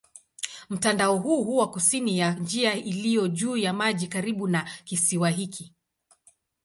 Mtandao huu huwa kusini ya njia iliyo juu ya maji karibu na kisiwa hiki.